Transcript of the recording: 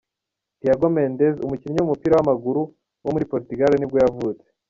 Tiago Mendes, umukinnyi w’umupira w’amaguru wo muri Portugal nibwo yavutse.